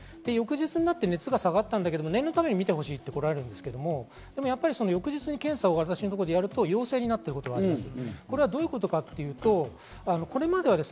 翌日になって熱が下がったけれど念のために見てほしいと来られますが、翌日に検査を私のところですると陽性になったことがあります。